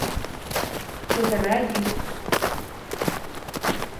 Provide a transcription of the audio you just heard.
ЧОДЫРА ЙӰК